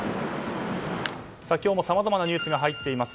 今日もさまざまなニュースが入っています。